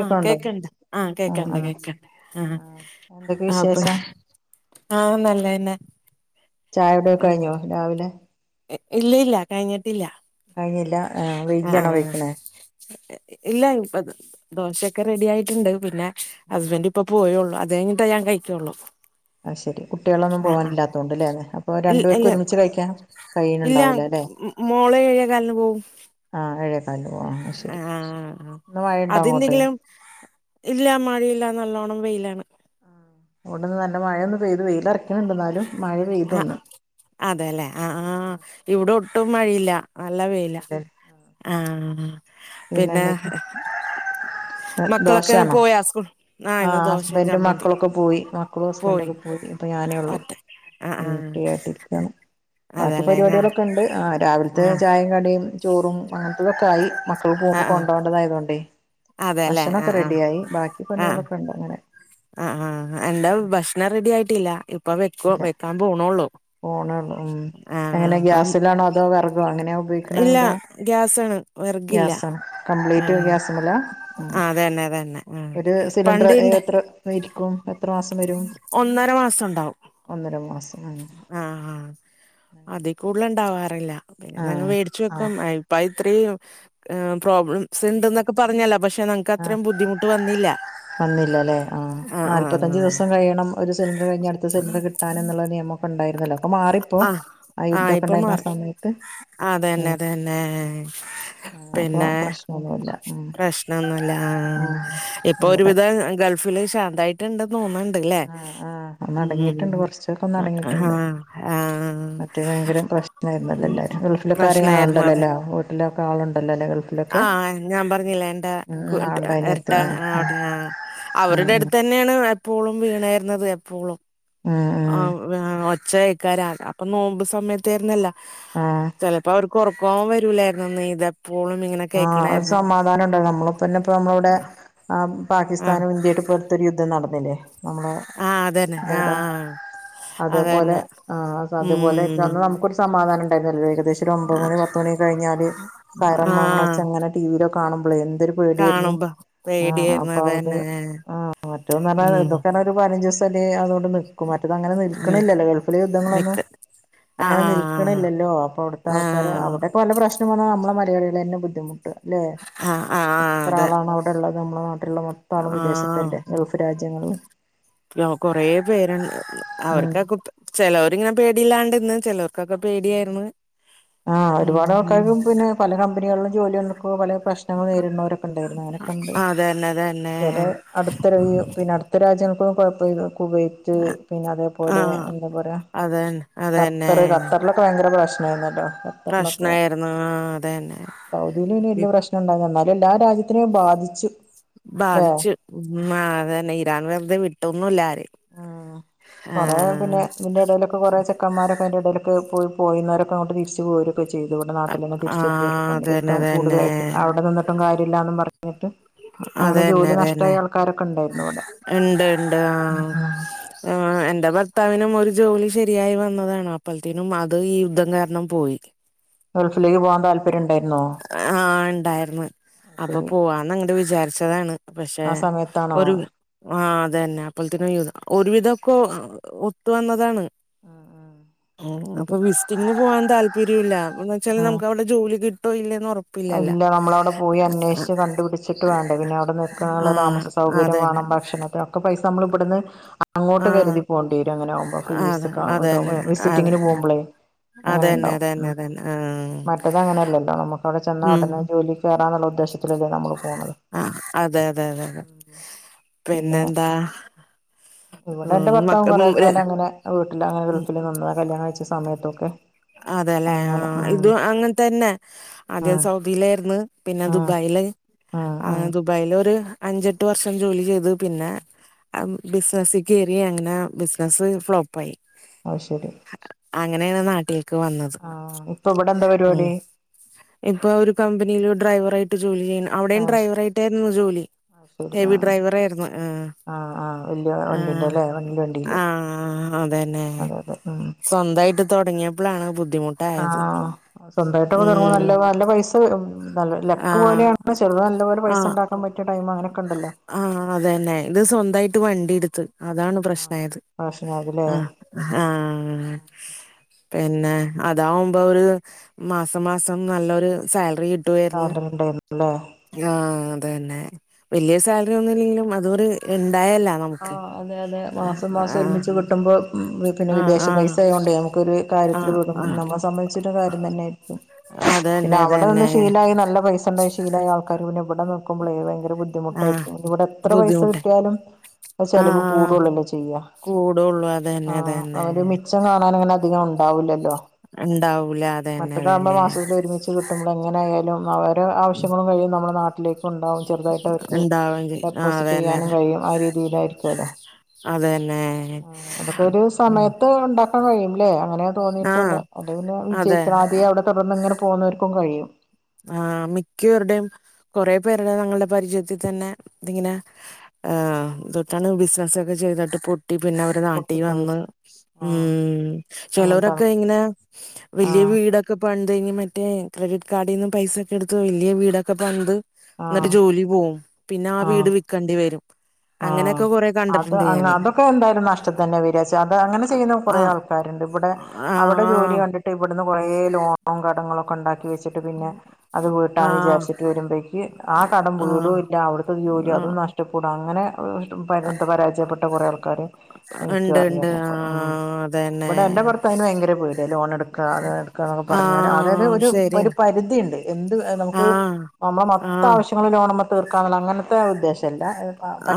ആഹ് കേക്ക്ൺണ്ട് ആഹ് ആ കേക്ക്ൺണ്ട് ആ കേക്ക്ണ്ട് ആഹ് ആ എന്തൊക്കെ ഇപ്പൊ വിശേഷം ആഹ് നല്ലയെന്നെ ചായുടിക്ക കഴ്ഞ്ഞൊ രാവിലെ ഇല്ല ഇല്ല കഴ്ഞ്ഞിട്ടില്ല കഴ്ഞ്ഞില്ല ഏഹ് വൈകിയാണൊ കയ്ക്ക്ണെ ഇല്ല ഇപ്പ ദോശൊക്ക റെഡിയായിട്ട്ണ്ട് പിന്ന ആ ഹസ്ബന്റ് ഇപ്പ പോയെ ഉള്ളു അതഴ്ഞ്ഞിട്ട ഞാൻ കഴിക്കൊള്ളു ആഹ് ശരി കുട്ടീളൊന്നും പോവാനില്ലാത്തോണ്ട്ലെ അപ്പൊ ഇ രണ്ടു പേർക്ക് ഇല്ല ഒരുമിച്ച് കഴിക്കാൻ ഇല്ല കഴിയുന്നുണ്ടാവൂല അല്ലെ മോള് ഏഴേകാൽന് പോവും ആഹ് ഏഴേകാൽന് ആഹ് അങ്ങോട്ട് അതെന്ത്കിലും ഇല്ല മഴയില്ല നല്ലോണം വെയ്ലാണ് ആഹ് ഇവടന്ന് നല്ല മഴൊന്ന് പെയ്തു വെയിലറക്ക്ണ് ണ്ട് ഇന്നാലും മഴ പെയ്തു ഒന്ന് അതേലെ ആഹ് ആഹ് ഇവടെ ഒട്ടും മഴയില്ല നല്ല വെയ്ല മഴ ആഹ് പിന്നെ പിന്നെന്തൊക്കെ ദോശ്യാണൊ ലാസ്കുൾ ആഹ് ഹസ്ബന്റും മക്കളൊക്കെ പോയി മക്കളും ഹസ്ബന്റൊക്ക പോയി ഇപ്പൊ ഞാനേ ഒള്ളു ഒറ്റ ആ ആ ഉം ഫ്രീ ആയിട്ട് ഇരിക്കാണ് ബാക്കി അതെല്ലേ ഞാ പരിപാട്യേളക്കണ്ട് ആഹ് രാവില്ത്തെ ആ ചായിം കടിം. ചോറും അങ്ങൻതതൊക്കായി മക്കള് ആ പോവുമ്പൊ ആ കൊണ്ടോ ണ്ടതായതോണ്ടേയ്. അതെല്ലേ ആ ഭഷണൊക്ക റെഡ്യായി ബാക്കി പണീളൊക്കണ്ട് അങ്ങനെ. ആഹ് ആഹ് എന്റെ ഭഷ്ണം റെഡായിട്ടില്ല ഇപ്പ വെക്കു വെക്കാൻ പോണൊള്ളു ഓണൊള്ളു ഉം എങ്ങനെ ഗ്യാസ് ലാണൊ അതോ വെറഗൊ എങ്ങനെ ഇല്ല ഉപയോഗിക്ക്ണെന്താ ഗ്യാസാണ് വിറകില്ല ഗ്യാസാണ് ആ കംപ്ലീറ്റ് ഗ്യാസമ്മ്ല ഉം. അതന്നെ അതന്നെ ആ ഒര് സിലിണ്ട്ര് പണ്ടിണ്ട് എത്ര ഇരിക്കും എത്ര മാസം വരും. ഒന്നര മാസം ഉണ്ടാവും ഒന്നര മാസമാണ്. ആഹ് ആഹ് അതി കൂടുല്ണ്ടാവാറില്ല പിന്നെ ആ ഞങ്ങ വേടിച്ചു ആ വെക്കും അ പയ് ഇത്രേം പ്രോബ്ലംസ് ഇണ്ട്ന്നൊക്ക പറഞ്ഞല്ലൊ പഷെ ന ക്കത്രീം ബുദ്ധിമുട്ട് വന്നില്ല. ന്നില്ലലെ ആഹ് നാല്പത്തഞ്ച് ദിവസം കയ്യണം ഒരു സിലിണ്ടർ കഴിഞ്ഞ് അടുത്ത സിലിണ്ടർ കിട്ടാന്ന്ന്ള്ള നിയമൊക്ക ഇണ്ടായിര്ന്നലൊ. ആഹ് ആഹ് ഇപ്പ മാറി സമയത്ത് ഉം അതന്നെതന്നേ. ആഹ് അപ്പൊ പിന്നെ പ്രശ്നൊന്നുല്ല ഉം പ്രശ്നൊന്നുല്ല ആഹ് ഉം ഇപ്പൊ ഒരു. ഇവിടെ വിധം ഗൾഫില് ശാന്തായിട്ട്ണ്ട് തോന്ന്ണ്ട്ലെ ആഹ് ആഹ് ഒന്ന് അടങ്ങിയിട്ടുണ്ട് ഉം. കുറച്ചൊക്കെ ഒന്ന് ആഹ് അടങ്ങിയിട്ടുണ്ട് ആഹ്. മറ്റേ ഭയങ്കര പ്രശ്നായിരുന്നല്ലോ ഉം എല്ലാരും ഗൾഫിലൊക്കെ ആരെ ആ പ്രശ്നായിരുന്നു അത് ഉണ്ടല്ലോല്ലേ വീട്ടിലൊക്കെ ആളുണ്ടല്ലോ അല്ലേ ഗൾഫിലൊക്കെ ആഹ് ഞാ പറഞ്ഞില്ലേ എന്റെ. ഉം ക്ക് ആ ട്ട് ഉണ്ട് അനിയത്തി എരട്ടാ ആഹ് അവിടെ ആഹ് അവരുടെ ഉം അടുത്ത്. ന്നെണ് എപ്പോഴും വീണേരുന്നത് എപ്പോഴും. ഉം ഉം. ഉം ആഹ് ഒച്ചക്കാര അപ്പൊ നോമ്പ് സമയത്തരുന്നല്ലോ ആഹ് ചെലപ്പോ അവർക്ക്. ഇക്കോറൊക്കോം വരൂലായിരുന്നുന്ന് നിത പ്പോളും ഇങ്ങനെ. ആഹ് ഒരു കേക്കണായിരുന്നു സമാധാനം ഇണ്ട നമ്മളിപ്പന്നെ ഇപ്പ നമ്മളവടെ. ആഹ് പാകിസ്ഥാനും ഇന്ത്യായിട്ട് പൊറൊത്തൊരു യുദ്ധം നടന്നില്ലേ. നമ്മളെ ആഹ് അതനെ ആഹ് ഇതെവിടെ ആഹ്. അതേപോലെ അതന്നെ ആഹ് ഉം അത്പോലെക്കന്ന് നമുക്കൊ സമാധാനണ്ടായിരുന്നല്ലോ ഏകദേശം ഒരു ഒമ്പത് മണി പത്തുമണി കഴിഞ്ഞാല് സയ്റം മൊഴ ആഹ് ണൊച്ച ഇങ്ങനെ ടിവിലൊക്കെ കാണുമ്പളേ എന്തൊരു പേട്യേരുന്നു. കാണുമ്പോ ആഹ് പേടിയായിരുന്നു അപ്പൊ അത് അതന്നെ ആഹ് മറ്റോന്ന റഞ്ഞ ഉം ഇതൊക്കെ ഒരു പതിനഞ്ചുസല്ലേ അതോണ്ട്. നിക്കും മറ്റത് അങ്ങനെ നിൽക്കി ഉം, ണില്ലല്ലോ ഗൾഫില് മിക്ക യുദ്ധങ്ങളൊന്നും. ആഹ് അങ്ങനെ നിൽക്കണില്ലല്ലോ അപ്പൊ അവിടുത്തെ ആഹ് ആൾക്കാര്. ആഹ് ഇപ്പൊ വല്ല പ്രശ്നം വന്നാ അമ്മളെ മലയാളികളെന്നെ ബുദ്ധിമുട്ട് ല്ലെ ആഹ് ആഹ് ആഹ് എത്ര അതെ ആളാണ്. ഇള്ളത് നമ്മളെ നാട്ടിലുള്ള മൊത്താളും വിദേശത്തല്ലേ ആഹ് ഗൾഫ് രാജ്യങ്ങളില്. കൊറേ പേരു ഉം അവർക്കൊക്കെ ചിലവർങ്ങനെ പേടില്ലാണ്ട്ന്ന് ചിലർ. ക്കൊക്കെ പേഡ്യാരുന്നു. ആഹ് ഒരുപാട് ആൾക്കാരും പിന്നെ പല കമ്പിനേളിലും ജോലി ഉണ്ടക്ക പല പ്രശ്നങ്ങൾ നേരിടുന്നോര് ണ്ട് ഞനെക്കെണ്ട് അതന്നെ അതന്നെ ചെലെ അടുത്തരാജ്യ പിന്നെ അടുത്ത രാജ്യങ്ങൾക്കൊഴപ്പൊന്നു പോയിറ്റ് പിന്നെ അതേപോലെ ആഹ് എന്താ പറ അതന്നെ അതന്നെ കത്തറ്ല. ളൊക്കെ ഭയങ്കരരു വെഷ്മായിുന്നല്ലോ. അപ്പൊളൊക്കെ പ്രശ്നായിരുന്നു ആഹ് അതന്നെ സൗദില് പിന്നെ വല്യേ ഇപ്പ പ്രശ്നണ്ട എല്ലാ രാജ്യത്തിനും ബാധിച്ചു. ബാധിച് ല്ലേ ആഹ് അതന്നെ ഇരാൻ വെറുതെ വിട്ടൊന്നുംല്ല ആരേം. ആഹ് കൊറേ പിന്നെ ആഹ് ഇതിന്റെ എടേലൊക്ക് ഇപ്പോ കൊറെ ചക്കന്മാക്കെ ന്റെ എഡെലൊക്കെ പോയി പോയിന്നു വരൊക്കെങ്ങോട്ട് തിരിച്ച് പോരും. ക്കെ ചെയ്തു ഇവിടെ നാട്ടിൽ തന്നെ തിരിച്ചെത്തിയവരൊ ആഹ് ക്കണ്ട് അതന്നെ യുദ്ധം അതന്നെ കൂടുതലായിട്ട് അവിടെന്നിട്ടും കാര്യില്ലന്നും പറഞ്ഞിട്ട്. അനെ അതന്നെ ജോലി അതന്നെ നഷടായ ആൾക്കാരൊക്കെ ഇണ്ടായിരുന്നു ഇവടെ. ഇണ്ട് ഇണ്ട് ആഹ് എന്റെ ഭർത്താവിനും ഒരു. ജോലി ശരിയായി വന്നതാണ് അപ്പഴത്തിനും അത് ഈ യുദ്ധം കാരണം പോയി. ഗൾഫിലേക്ക് പോകാൻ താൽ ആഹ ഇണ്ടാരുന്നു അപ്പൊ ശരി പോവാന്ന് അങ്ങട് വിചാരിച്ചതാണ് പക്ഷെ ആ സമയത്താണോ ഒരു ആ അത് തന്നെ അപ്പലത്തിനും ഒരുവിധൊക്കെ ഒത്തു വന്നതാണ് ആ ആ ഉം അപ്പൊ ശരി വിസിറ്റിങ്ങന് പോകൻ താല്പര്യം ഇല്ല എന്നു വെച്ചാ ആ നമക്ക് ജോലി കിട്ടോ ഇല്ലന്ന് ഉറപ്പ് ഇല്ല നമ്മള അവിടെ പോയി അന്വേഷിച്ച് ഇല്ല നമ്മളു അവിടെ പോയി അന്വേഷിച്ച് കണ്ടുപിടിച്ചിട്ട് വേണ്ടേ പിന്നെ അവിടെ നൽക്കണുള്ള ആഹ് താമസ സൗകര്യം വേണം അതന്നെ ഭക്ഷണ ഒക്കെ പൈസ നമ്മൾ ഇവിടുന്ന് അങ്ങോട്ട് ആഹ് കരുതി പോകേണ്ടി വരും അങ്ങനാകുമ്പോ ഫ്രീ അതെ വിസക്ക് കേട്ടോ അതന്നെ അതെ വിസിറ്റിങ്ങിന് പോകുമ്പളേ അങ്ങനെ അതന്നെ ഉണ്ടാവും അതന്നെ ഉ അതന്നെ ആഹ് മറ്റത് അങ്ങനെയുണ്ടാവും ഉം മറ്റേത് അങ്ങനെയല്ലല്ലോ നമുക്ക് അവിടെ ചെന്നാൽ ഉടനെ ജോലിക്ക് കയറാ എന്നുള്ളത് ആ അതെ അതെ അതെ പിന്നെ പിന്നെന്താ ഇവിടെ എന്റെ ഉം ഭർത്താവും മക്ക കുറെേ മു ര കാലം അങ്ങനെ വീട്ടിൽ അങ്ങനെ ഉം ഗഫിൽനിന്നതാ കല്യാണം കഴിച സമയത്തൊക്കെ അതെല്ലെ ആ അങ്ങനെ ഉം ഇതും അങ്ങനെ തന്നെ ആദ്യം ഉം സൗദിയിലാരുന്നു പിന്നെ ഉം ദുബായില് ഉം ആ ഉം ദുബായിലൊരു അഞ്ചെട്ട് വർഷം ജോലി ചെയ്തു പിന്നെ ബിസിനസിൽ കേറി അന്നാ ബിസിനസ് ഫ്ലോപ്പായി അ ശരി അങ്ങനെയാണ് നാട്ടിലേക്ക് വന്നത് ആ ഇപ്പൊ ഇവിടെ എന്താ ഉ പരിപാടി ഇപ്പൊ ഒരു കമ്പനിൽ ഡ്രൈവറായിട്ട് ജോലി ചെയ്യ്ണ അവിടേയും ആ ഡ്രൈവറായിട്ടായിരുന്നു ജോലി. അത് ശരി ആ ഹെവി ഡ്രൈവറായിയിരുന്നു ആഹ് ആ ആ വല്യ വണ്ടിന്റെ അല്ലേ വല്യ വണ്ടിയില് ആ ആ അതെന്നെ അതെ അതെ ഉം സ്വന്തായിട്ട് തൊടങ്ങിയപ്പളാണ് ബുദ്ധിമു ആ സ്വന്തമായിട്ട് തുടങ്ങുമ്പോൾ നല്ല നല്ല പൈസ നല്ല ലക്ക് ആഹ് പോലെയാണ് ചെലത് നല്ല പോലെ പൈസ ഉണ്ടാക്കാൻ പറ്റിയ ടൈം അങ്ങനൊക്കെ ഉണ്ടല്ലോ. ആ അതെന്നെ ഇത് സ്വന്തായിട്ട് വണ്ടി എടുത്ത് അതാണ് ആഹ് പ്രശ്നായത് ഫാഷനായില്ലേ ആ ആ. പിന്നെ അതാവുമ്പോ ഒരു മാസം മാസം നല്ലൊരു സാലറി കിട്ടു സാലറിണ്ടായിരുന്നു അല്ലേ ആഹ അതെന്നെ വലിയ സാലറി ഒന്നുംല്ലെങ്കിലും അതൊരു ഉണ്ടായല്ല ആ അതെ അതെ മാസം മാസം ഒരുമിച്ച് കിട്ടുമ്പോ പിന്നെ ആഹ് വിദേശ ആഹ് പൈസ ആയോണ്ടേ നമുക്കൊരു കാര്യത്തില് ആഹ് വിടും ആഹ് നമ്മള സംബന്ധിച്ചിട്ട് കാര്യം തന്നെ പിന്നെ അതന്നെ അവിടെ നിന്ന് അതന്നെ ശീലായി നല്ല പൈസ ഉണ്ട ശീലായ ആൾക്കാര് ഇവടെ നോക്കുമ്പോള ഭയങ്കര ആഹ് ബുദ്ധിമുട്ടായിരിക്കും ഇവിടെ എത്ര പൈസ ബുദ്ധിമുട്ട് കിട്ടിയാലും അ ചിലവ് ആഹ് കൂടുള്ളല്ലേ ചെയ്യാ, കൂടുള്ളൂ ആ അതന്നെ അതന്നെ അവര് മിച മിച്ചം കാണാനങ്ങനെ അധികം ഉണ്ടാവില്ലല്ലോ ഉണ്ടാവൂല അതന്നെ മറ്റതാകുമ്പോ അതന്നെ മാസത്തിലൊരുമിച്ച് കിട്ടുമ്പോൾ എങ്ങയാലും അവര് ആവശ്യങ്ങളും കഴിയും നമ്മുടെ നാട്ടിലേക്ക് ഉണ്ടാവും ചെറുതായിട്ട് അവർക്ക് ഉണ്ടാവെങ്കിൽ ആഹ് ഡെപ്പോസിറ്റ് അതന്നെ ചെയ്യാനും കഴിയും ആ രീതിയില്. രീതിയിലാരിക്കുമല്ലോ അതന്നെ അതൊക്കെ ഒരു ഉം സമയത്ത് ഉണ്ട ഉണ്ടാക്കാന് കഴിയും ല്ലേ അങ്ങനെയാ തോന്നിയിട്ടുള്ളേ ആഹ് അല്ലേ പിന്നെ വിജയിക്കനാദ്യേ അതെ അവിടെ തുടർന്ന് ഇങ്ങനെ പോകുന്നവർക്കും കഴിയും. ആ മിക്കവരുടെയും കൊറേ പേരുടെ തങ്ങളുടെ പരിചയത്തിൽ തന്നെ ദിങ്ങനെ ആ [unintelligible] ബിസിനസ്സൊക്കെ ചെയ്തിട്ട് പൊ ട്ടി പിന്നെ അവര് നാട്ടി പൊട്ടിപ്പോയി വന്ന് ആഹ് ഉം അങ്ങനത്തെ ആൾ ചിലവരൊക്കെ ഇങ്ങനെ വലിയ ആഹ് വീടൊക്കെ ഒക്കെ പണിത് കഴിഞ്ഞ് മറ്റെ ക്രെഡിറ്റ് കാർഡിൽ നിന്നും പൈസ ഒക്കെ എടുത്ത് വലിയ വീടൊക്കെ പണിത് എന്നിട്ട് ആഹ് ജോലി പോകും പിന്നെ ആ വീട് വിക്കണ്ടി വരും. ആ. അങ്ങനെയൊക്കെ കൊറെ അത് കണ്ടിട്ടുണ്ട് അ ഞാന് അതൊക്കെ എന്തായാലും നഷ്ടം തന്നെ വരാ ച അത് അങ്ങനെ ചെയ്യുന്ന കുറ ആ ആ ആൾക്കാരുണ്ട് ഇവിടെ ആ അവിടെ ജോലി കണ്ടിട്ട് ഇവിടുന്ന് കൊറേ ലോണും കടങ്ങളും ഒക്കെ ഉണ്ടാക്കി വെച്ചിട്ട് പിന്നെ അത് ആ വീട്ടാന്ന് വിചാരിച്ചിട്ട് വരുമ്പോഴേക്ക് ആ കടം ആ വീടു ഇല്ല അവിടത്തെ ജോലി ആ അതും നഷ്ടം. കുടാ അങ്ങനെ പരുന്ത് പരാജയപ്പെട്ട കുറെ ആൾക്കാര് എനിക്കും ഉണ്ട് അറിയ ഉണ്ട് ആ ഉം ഇവിടെ എന്റെ അതന്നെ ഇ അതിന് ഭയങ്കര പേടിയ ലോൺ എടുക്കുക അത് എടുക്കുക എന്നക്കെ പറഞ്ഞാൽ അതായത് ആഹ് ഒരു ശരിയാണ് പരിധി ഉണ്ട്. എന്ത് നമുക്ക് ആഹ് നമ്മുടെ മൊത്തം ആഹ് ആവിശ്യം ൾ ലോണ് മ്മ തീർക്കാനുള്ള അങ്ങനത്തെ ഉദ്ദേശല്ല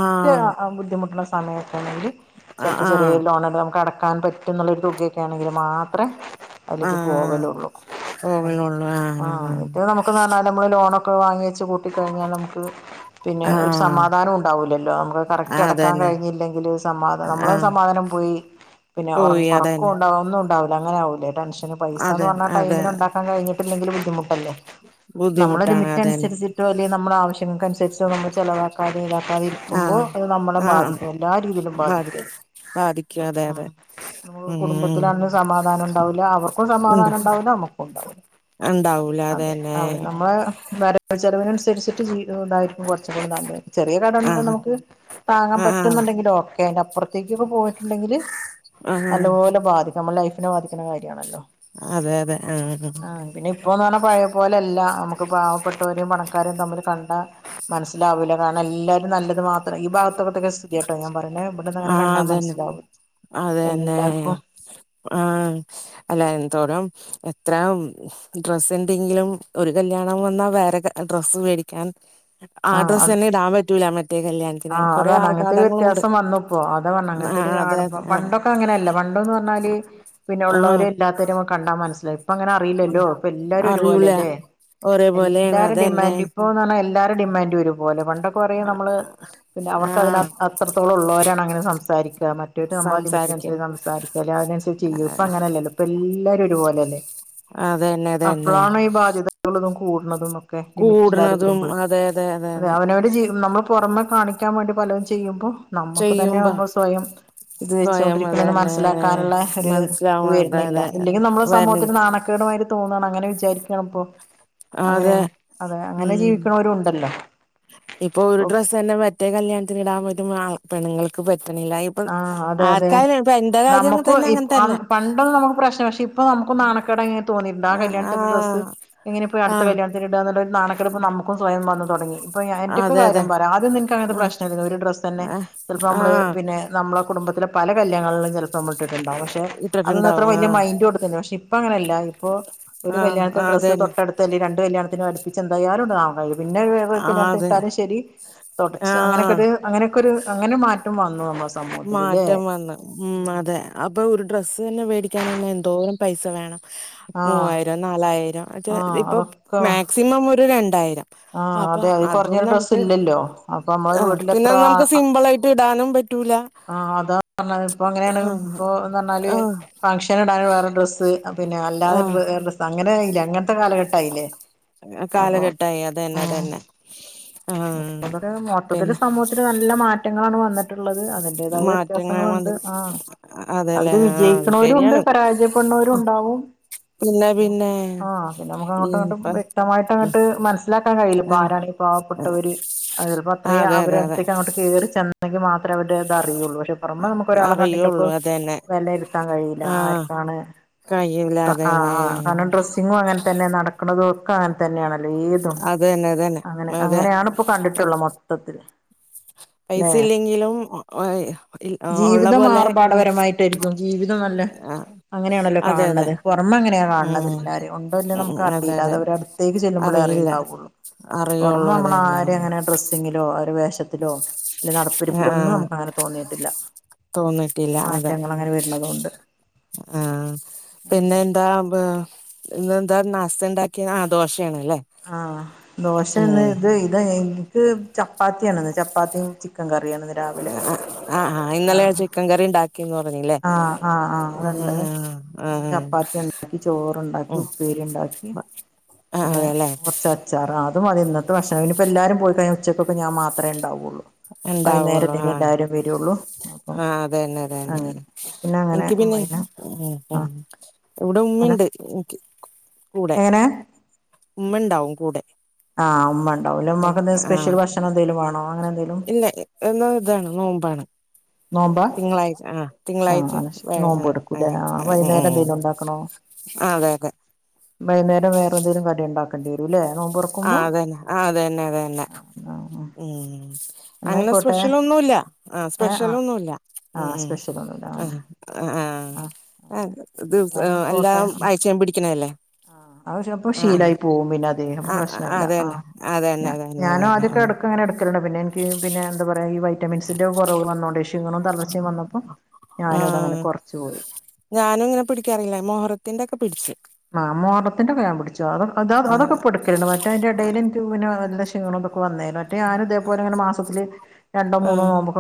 ആഹ് ബുദ്ധിമുട്ടുള്ള സമയമൊക്കെ ആണെങ്കിൽ അ ചിലപ്പോൾ ചെറിയ ആഹ് ലോണ് നമുക്ക് അടക്കാൻ പറ്റും. എന്നുള്ളൊരു തുകയൊക്കെ ആണെങ്കിൽ മാത്രെ അതില്ക്ക് ആഹ് പോവലേള്ളു ആഹ് ഇത് നമുക്ക് നല്ലാൽ നമ്മൾ ലോണൊക്കെ വാങ്ങി വെച്ച് കൂട്ടി കഴിഞ്ഞാൽ നമുക്ക് പിന്നെ ഒരു ആഹ് സമാധാനം ഉണ്ടാവ ൂല്ലല്ലോ ആഹ് കറക്റ്റ് അടക്കാൻ അതന്നെ കഞ്ഞില്ലെങ്കില് സമാധാ മ്മള് ആഹ് സമാധാനം പോയി. പിന്നെ ഓറ പോയി അതന്നെ ഒറക്കുംണ്ട ആ ഒന്നുംണ്ടാവില്ല അങ്ങനൊവുല്ല ടെൻഷൻ പൈസാന്ന് അതന്നെ പറഞ്ഞൽ അതെ ടൈമന് ഉണ്ടാക്കാൻഴിഞ്ഞിട്ടില്ലെങ്കിൽ ബുദ്ധിമുട്ട് അല്ലേ നമ്മളൊ ബുദ്ധിമുട്ടാണ് ലിമിറ്റ് അതന്നെ അനുസരിച്ച് ഏറ്റവും വലിയ നമ്മുടെ ആവശ്യങ്ങൾക്കനുസരിച്ച് നമ്മൾ ചിലവാക്കാത ഇതാക്കാതി ക്കുമ്പോ ആഹ് അത് നമ്മളെ ബാധിക്കും എല്ലാ രീതിയിലും ബാധിക്കൂം. സാധിക്കും അതെ അതെ നമുക്ക് കുടുംബത്തില ഉം അന്ന് സമാധാനം ഉണ്ടാവില്ല അവർക്കും ഉണ്ട സമാധാനം ഉണ്ടാവില്ല നമ്മക്കും ഉണ്ടാവില്ല. ഉണ്ടാവൂല അതെ അതന്നെ അതെ നമ്മളെ ചെലവിനുസരിച്ചട്ട് ജീവിക്കുന്നതായിരിക്കും കൊറച്ച് കൂടി നല്ലത് ചെറിയ കടം ആഹ് നമുക്ക് താങ്ങാൻ ആഹ് പറ്റുന്നുണ്ടെങ്കിലോ ഓക്കെ അയിന്റെ അപ്പുറത്തേക്കൊക്കെ പോയി് ണ്ടെങ്കിൽ ആഹ് നല്ലപോലെ ബാധിക്കും നമ്മ ലൈഫിനെ ബാധിക്കുന്ന കാര്യമാണല്ലോ അതെ അതെ ആഹ് ഇപ്പോൾന്ന് പഴയ പോലെയല്ല നമുക്ക് പാവപ്പെട്ടവരെയും പണക്കാരെയും തമ്മിൽ കണ്ടാൽ മനസ്സിലാവൂല കാരണം എല്ലാരും നല്ലത് മാത്രം ഈ ഭാഗത്തൊക്കട്ടക്കെ ട്ടോ ഞാൻ പറഞ്ഞെ ഇവിടുന്ന് അങ്ങനെ ആഹ് കണ്ടാൻ അതന്നെ മനസ്സിലാവും അതന്നെ എല്ലാർക്കും ആഹ് അല്ല എന്തോരം എത്ര ഡ്രസ് ഉണ്ടെങ്കിലും ഒരു കല്യാണം വന്നാ വേറെ ഡ്രസ്സ് മേടിക്കാൻ ആ ആഡ്രസ് തന്നെ ഇടാൻ പറ്റൂല്ല മറ്റേ കല്യാണത്തിന് ആഹ് കൊറെ അതാണ് ആൾക്ക അങ്ങനത്തെ ഒരു വ്യത്യാസം വന്നപ്പോ അത പറഞ്ഞ് അങ്ങനത്തെ ഒരു ആഹ് അതെ അതെ ആഹ് പണ്ടൊക്കെ അങ്ങനെയല്ല പണ്ടന്ന് പറഞ്ഞാല് പിന്നെ ഉള്ളെരും ആഹ് ഇല്ലാത്തരും കണ്ടാൻ മനസ്സിലായി ഇപ്പ അങ്ങനെ അറിയില്ലല്ലോ ഇപ്പ എല്ലാരും അറിയൂല ഒരുപോലല്ലേ ഒരേ പോലെയാണ് എല്ലാരും അതന്നെ ഡിമാൻഡ് ഇപ്പോന്ന് പറഞ്ഞൽ എല്ലാരും ഡിമാൻഡ് ഒരുപൊലെ പണ്ട് ആഹ് ആഹ് ആഹ് പിന്നെ അവർക്ക്തിനകത്ത് അത്രത്തോളം ഉള്ളവരാണ് അങ്ങനെ സംസാരിക്കുക മറ്റവരു നമ്മുടെ സംസാരിക്കാം ലിമിറ്റിനനുസരി സംസാരിക്കാം അതിനനുസരിച്ചേ ചെയ്യും ഇപ്പം അങ്ങനെയല്ലല്ലോ ഇപ്പ എല്ലാരും ഒരുപോലെല്ലേ അതന്നെ അതന്നെ അപ്പോളാണോ ഈ ബാധ്യതകൾതും കൂടണത് ലിമിറ്റ് ഇല്ലാതെ വരുമ്പോൾ അതെ അവനോന്റെ ജീവിതം നമ്മൾ പൊറമെ കാണിക്കാൻ വേണ്ടി പലതും ചെയ്യുമ്പോ നമ്മുക്ക് തന്നെ ചെയ്യുമ്പോ നമ്മൾ സ്വയം ഇത് സ്വയം വെച്ചുകൊണ്ടിരിക്കണം എന്ന് അതന്നെ മനസ്സിലാക്കാനുള്ള ഒരു ഇത് മനസ്സിലാവാതെ വരുന്നില്ല അതെ ഇല്ലെങ്കിൽ നമ്മള് വരണി സമൂഹത്തിൽ നാണക്കേട്മായി തോന്നണം അങ്ങനെ വിചാരിക്കയാണ് ഇപ്പൊ അതെ അങ്ങനെയാണ് അതെ അങ്ങനെ ഉം ജീവിക്കണവരുംണ്ടല്ലോ ഇപ്പൊ ഒരു ഡ്രസ്സ് തന്നെ മറ്റേ കല്യാണത്തിന് ഇടാൻ പറ്റും ആ പെണുങ്ങൾക്ക് പറ്റണില്ല ഇപ്പൊ ആഹ് അതെ അതെ ആർക്കായാലും ഇപ്പൊ എന്റെ കാര്യം നമുക്കും തന്നെ അങ്ങനെ തന്നെ പണ്ട് നമുക്ക് പ്രശ്നം പക്ഷെ ഇ പ്പൊ നമുക്ക് നാണക്കേടായിങ്ങനെ തോന്നിയിട്ടുണ്ട് ആ കല്യാണത്തിന്റെ ഡ്രസ്സ് എങ്ങനെ ഇപ്പോ ആ ആ അടുത്ത കല്യാണത്തിനിടാകാന്നുളള നാണക്കേട് എ ഇപ്പ നമുക്കും സ്വയം വന്ന് തുടങ്ങി ഇപ്പോ എന്റെക്ക അതെ അതെ കാര്യം പറയാം ആദ്യം ന്ക്ക് അങ്ങന ആ പ്രശ്നമില്ല ഒരു ഡ്രസ് തന്നെ ആ ചിലപ്പോ ആ നമ്മള് പിന്നെ നമ്മളെ കുടുംബത്തിലെ പല കല്യാണങ്ങളിലും ചിലപ്പോ നമ്മിട്ടിട്ടുണ്ടാവും പക്ഷെ അതൊന്നത്ര ഇട്ടിട്ടുണ്ടാവും ആ വലിയ മൈൻഡോട്ട് തന്നെ പക്ഷെ ഇപ്പ അങ്ങനെയല്ല ഇപ്പൊ ഒരു ആ ആ കല്യാണത്തിന്റെ ഡ്രസ്സ് അതന്നെ തൊട്ടടുത്ത്ല്ലേ രണ്ട് കല്യാണത്തിന് അടുപ്പിച്ച് എന്തായാലുംണ്ടാവും പിന്നെ വേറെ ആ അതന്നെ കല്യാണത്തിനിട്ടാലും ശരി തുടച്ച് അങ്ങനെയൊക്കെ ആ ഒരു അങ്ങനൊക്കെ ഒരു അങ്ങനെ മാറ്റം വന്നു നമ്മ മാറ്റം വന്ന് ഉം അതെ. അപ്പൊ ഒരു ഡ്രസ്സ് തന്നെ മേടിക്കാൻ തന്നെ എന്തോരം പൈസ വേണം ആഹ് മൂവായിരം നാലായിരം. അതെ ആഹ് ഇപ്പം അതൊക്കെ മാക്സിമം ഒരു രണ്ടായിരം. ആഹ് അപ്പൊ അതെ അതി അതും കൊറഞ്ഞൊരു ഡ്രസ്സ് നമുക്ക് ഇല്ലല്ലോ. അപ്പൊമ്മ ആ പിന്നെ വീട്ടിലെത്രാ അത് നമുക്ക് സിമ്പിൾ ആയിട്ട് ഇടാനും പറ്റൂല ആ അതാ പറഞ്ഞത്. പ്പൊ ആ അങ്ങനേണ് ഇപ്പോ എന്നറ്ഞ്ഞാല് ആ ഫംഗഷൻ ഇടാൻ വേറെ ഡ്രസ്സ് പിന്നെ അല്ലാതെ ഡ്ര വേറെ ഡ്ര അങ്ങനായില്ലേ അങ്ങൻത്തെ കാലഘട്ടായില്ലേ. അപ്പൊ ആകാലഘട്ടായി അതെന്നെ അതന്നെ ആഹ്. ക്ക മൊത്തത്തില് സമൂഹത്തില് നല്ല മാറ്റങ്ങളാണ് വന്നി ള്ളത് അതിന്റേതായ മാറ്റങ്ങൾ വ്യത്യാസങ്ങളുണ്ട് വന്നി ആഹ്. അതെല്ലേ അതില് ആ അത് വിജയിക്കണോരുണ്ട് ശരിയാണ് ആ, പരാജയപ്പെട്ണോരുണ്ടാവും. പിന്നെ പിന്നെ ആഹ് പിന്നമുക്ക് അങ്ങോട്ടുങ്ങട്ടും ഇപ്പ വ്യക്തമായിട്ടങ്ങട്ട് മനസ് സിലാക്കാൻ കഴയില്ല പ്പോ ആ ആരാണീ ആ, പാവപ്പെട്ടവര് അഅ് ചെൽപ്പത്രയും അതെ അതെ അതെ അവരടുത്തേക്ക് അങ്ങട്ട് കേറി ചെന്നെങ്കിൽ മാത്രേ അവരുടെത് അറിയുള്ളൂ പക്ഷെ പൊറമേ നമുക്ക് ഒരാളെ കണ്ടിട്ടിപ്പോ അറിയുള്ളൂ അതന്നെ വെലയിരുത്താൻ കഴിയില്ല.. ആഹ് ആര്ക്കാണ് കഴിയൂല അഹ് അഹ് അതന്നെ ആഹ് കാനം. ഡ്രെസ്സിങ്ങും അങ്ങൻ തന്നെ നടക്കണുന്നതൊക്കെ അങ്ങൻ തന്നേണല്ലോ ഏതും. തെന്നെ തെൻ അങ്ങനെ അങ്ങനെയാണ്പ്പൊ കണ്ടിട്ടുള്ള മൊത്തത്തില്. പൈസ അല്ലെ ഇല്ലെങ്കിലും അ് അ ഒള്ള ജീവിതം പോലെ ഇങ്ങനെ ആർഭാടപരമായിട്ടായിരിക്കും ജീവിതം നല്ല ആഹ് അങ്ങനെയാണല്ലോ കാണുണത് പൊറമ അങ്ങനെയ ഉം കാണുണതെല്ലാരും ഉണ്ടോ ഇല്ലേ നമുക്ക് അതെ അറിയില്ല അതെ അതവരട്ത്തേക്ക് ചെല്ലുമ്പളേ അറിയ അറിയില്ല ണ്ടാവൊള്ളു പൊറമ അറിയുള്ളൂ അതന്നെ നമ്മളാരെങ്ങനെ ഡ്രെസ്സിങ്ങിലോ അവരെ വേഷത്തിലോ ലെ നടപ്പിരിപ്പിലൊന്നും ആഹ് നമുക്കങ്ങനെ തോന്നിയിട്ടില്ല. തോന്നിട്ടില്ല അതെ മാറ്റങ്ങളങ്ങനെ വരുന്നതോണ്ട്. ആഹ് [inaudible] പിന്നെ എന്താ ബ് ഇന്നെന്താ നാസണ്ടാക്കിയെ ആ ദോഷേണ്ല്ലേ? ആഹ് ദോശന്ന് ഇത് ഇത് ഇൻക്ക് ചപ്പാത്തിയാണ്ന്ന് ചപ്പാത്തിം ചി ക്കൻ കറിയാണ്ന്ന്. ആഹ് ആഹ് ഇന്നലെ ചിക്കൻ കറി ഇണ്ടാ ആഹ് ആഹ് ആഹ് വ്ട്ണ്ട് ആഹ് ന്ന് ആഹ് ചപ്പാത്ത്യാണ് ഉച്ചക്ക് ചോറുണ്ട ക്കുപ്പേരി ഉണ്ടാക്കി ആ പിന്നെ അതെല്ലേ കൊറ്ച് ച്ചറ അത് മതിന്നത്തെ ഭക്ഷ ഇനിപ്പോ എല്ലാരു പോയി കഴിഞ്ഞ ഉച്ചക്കൊക്കെ ഞാൻ മാത്രേ ഉണ്ടാവുള്ളൂ. ഉണ്ടാവുള്ളു വൈന്നേരല്ലേനി ആ എല്ലാരും വരൊള്ളൂ അപ്പം അങ്ങനെ. പിന്നെ അങ്ങനെ എൻക്ക് പിന്നെ ആ ഇവിടെ അല്ല ഉമ്മെണ്ട് ഇൻക്ക്. കൂടെ എങ്ങനെ ഉമ്മണ്ടാവും കൂടെ. ആഹ് ഉമ്മ ഉണ്ടാവുല്ലേ. ഉമ്മാക്കെന്തേ സ്പെഷ്യൽ ഭക്ഷണന്തേലു വേണോ? അങ്ങനെ എന്തേലു ല്ല ഇന്ന് ഇതാണ് നോമ്പാണ്. നോമ്പാ തിങ്കളാഴ്ച ആഹ് ആ തിങ്കളാഴ്ച അത് ശരി വേ നോമ്പ് അഹ് എടുക്കൂല്ലേ അങ്ങെ ആ വൈകുന്നേരം അ്അ്അ് എന്തേലും ആഹ് കേക്കെ വൈന്നേരം വേറെന്തേലു കടിണ്ടാക്കേണ്ടിരു ല്ലേ? ആഹ് അതന്നെ ആഹ് അതന്നെ അതന്നെ ആ ആ ഉഹ്. അങ്ങനെ എന്നായിക്കോട്ടെ സ്പെഷ്യലെന്നുല്ല ആഹ് ഏ ആ സ്പെഷ്യലൊന്നുല്ല ആ ഉഹ് സ്പെഷ്യൽ ഒന്നുമില്ല ഉഹ്. അഹ ആ ആഹ് ആഹ് ആ അങ്ങനെ ഇത് എന്നാലും പോട്ടെ എല്ലാം ഉം ആയ്ച്ചലും പിടിക്കണല്ലേ. ആഹ് അഅ് ശെപ്പൊ ആ ആ ശീലായിപ് പോവും പിന്നെ അദ്ദേഹന്പൊ ആഹ് പ്രശ്നല്ല അതന്നെ ആഹ്. അതന്നെ ഞ അതന്നെ ഞാനും അതന്നെ ആദ്യാക്കെ എടുക്കങ്ങനെ എടുക്കലുണ്ട് പിന്നെൻ ക്ക് പിന്നെന്താ പറയാ ഈ വൈറ്റമിൻസിന്റെ കൊറവ് വന്നോണ്ടെ ക്ഷീണം തളർച്ചിം വന്നപ്പോ ഞാനു അതങ്ങനെ കൊറച്ച് പോയി. ഞാനിങ്ങെനെ പിടിക്കാറില്ല. മൊഹറത്തിൻ്റൊക്കെ പിടിച്ചു. ആഹ് മൊഹ്റത്തിൻ്റൊക്കെ ഞാ പിടിച്ചു അത് അതൊക്കെ ആഹ് പുടി ക്ക്ണു മറ്റേഅയിൻ്റെടയിലെൻക്ക് പിന്നെ വല്ലി ക്ഷീണതൊക്കെ വന്നേനു. റ്റെ ഞാനൂതേപോലെങ്ങനെ മാസത്തില് രണ്ടോ ആഹ് മൂന്നോ നോമ്പോ